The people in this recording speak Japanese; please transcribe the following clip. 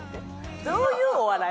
どういうお笑い？